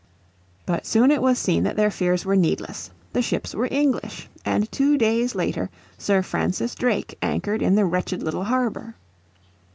But soon it was seen that their fears were needless, the ships were English, and two days later Sir Francis Drake anchored in the wretched little harbour.